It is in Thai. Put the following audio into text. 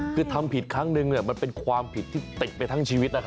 คือทำผิดครั้งนึงมันเป็นความผิดที่ติดไปทั้งชีวิตนะครับ